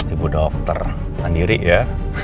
ibu dokter mandiri ya